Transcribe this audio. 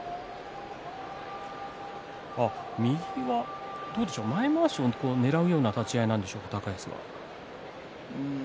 右は前まわしをねらうような立ち合いだったんでしょうか高安は。